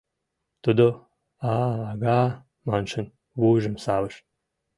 Тудо, «а-ага» маншын, вуйжым савыш.